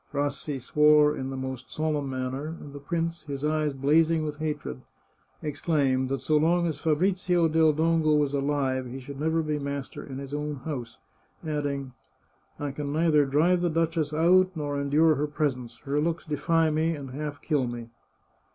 Rassi swore in the most solemn manner, and the prince, his eyes blazing with hatred, exclaimed that so long as Fabrizio del Dongo was alive he should never be master in his own house, adding :" I can neither drive the duchess out, nor endure her presence. Her looks defy me, and half kill me."